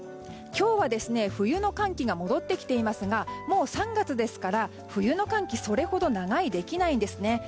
今日は冬の寒気が戻ってきていますがもう３月ですから冬の寒気それほど長居できないんですね。